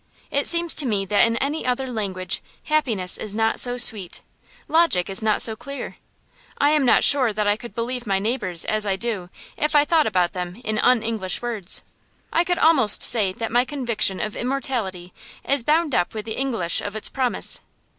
It seems to me that in any other language happiness is not so sweet, logic is not so clear. I am not sure that I could believe in my neighbors as I do if I thought about them in un English words. I could almost say that my conviction of immortality is bound up with the English of its promise.